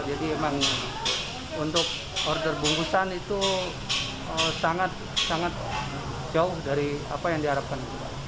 jadi memang untuk order bungkusan itu sangat jauh dari apa yang diharapkan